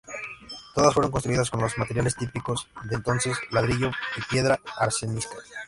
Todas fueron construidas con los materiales típicos de entonces, ladrillo y piedra arenisca.